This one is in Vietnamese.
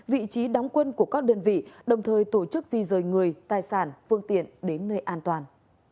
vị trí đóng quân của các đơn vị đồng thời tổ chức di rời người tài sản phương tiện đến nơi an toàn